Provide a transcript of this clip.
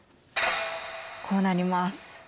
こうなります。